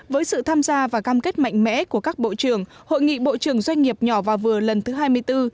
với sự tham gia và cam kết mạnh mẽ của các bộ trưởng hội nghị bộ trưởng doanh nghiệp nhỏ và vừa lần thứ hai mươi bốn